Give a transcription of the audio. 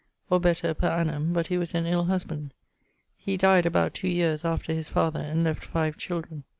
or better per annum, but he was an ill husband. He dyed about two yeares after his father, and left five children.